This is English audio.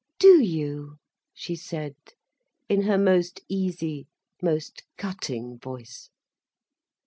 "Do you?" she said, in her most easy, most cutting voice.